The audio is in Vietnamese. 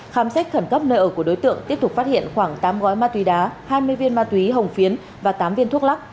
khám xét khẩn cấp nơi ở của đối tượng tiếp tục phát hiện khoảng tám gói ma túy đá hai mươi viên ma túy hồng phiến và tám viên thuốc lắc